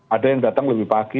ada yang datang lebih pagi